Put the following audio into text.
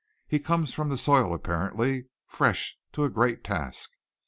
He comes from the soil apparently, fresh to a great task.